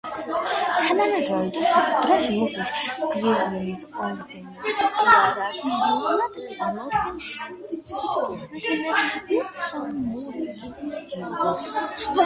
თანამედროვე დროში მუხის გვირგვინის ორდენი იერარქიულად წარმოადგენს სიდიდით მესამე ლუქსემბურგის ჯილდოს.